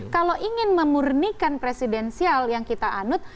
kalau ingin memurnikan presidensial yang kita anut